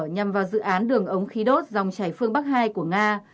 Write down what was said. nhằm vào dự án đường ống khí đốt dòng chảy phương bắc hai của nga